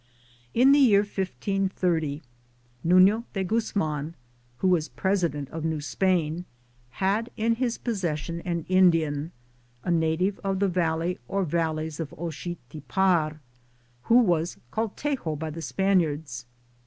In the year 1530 NuKo de Guzman, who waa President of New Spain, 1 had in hia pos session an Indian, a native of the valley or valleys of Oxitipar, who was called Tejo hy the Spaniards.